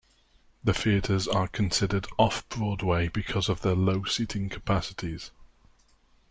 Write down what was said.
The theaters are considered Off-Broadway because of their low seating capacities.